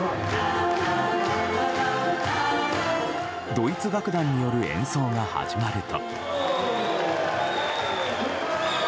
ドイツ楽団による演奏が始まると。